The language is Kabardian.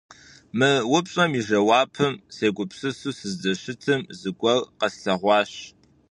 Мы упщӀэм и жэуапым сегупсысу сыздэщытым, зыгуэр къэслъэгъуащ.